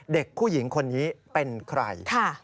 เด็กผู้หญิงคนนี้เป็นใคร